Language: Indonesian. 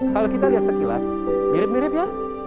kalau kita lihat sekilas mirip mirip ya